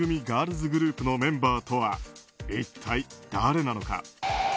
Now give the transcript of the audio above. ガールズグループのメンバーとは一体誰なのか。